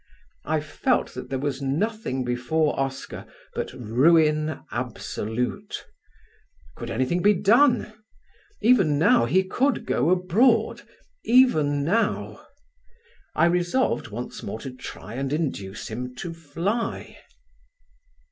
I felt that there was nothing before Oscar but ruin absolute. Could anything be done? Even now he could go abroad even now. I resolved once more to try and induce him to fly.